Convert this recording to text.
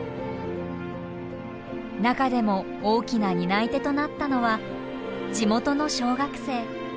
中でも大きな担い手となったのは地元の小学生。